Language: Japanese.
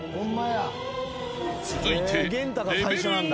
［続いて］